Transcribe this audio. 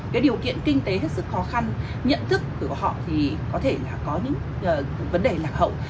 cái điều kiện kinh tế thật sự khó khăn nhận thức của họ thì có thể là có những vấn đề lạc hậu